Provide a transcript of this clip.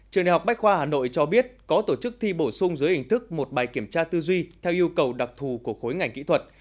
trường đại học bách khoa hà nội cho biết có tổ chức thi bổ sung dưới hình thức một bài kiểm tra tư duy theo yêu cầu đặc thù của khối ngành kỹ thuật